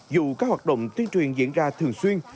dù các hoạt động tuyên truyền diễn ra thường xuyên